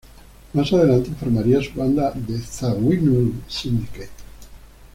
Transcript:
Más adelante, formaría su banda The Zawinul Syndicate.